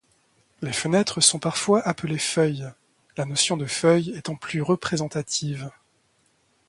Les fenêtres sont parfois appelées feuilles, la notion de feuille étant plus représentative.